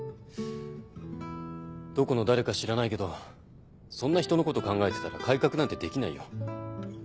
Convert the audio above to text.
どこの誰か知らないけどそんな人のこと考えてたら改革なんてできないよ。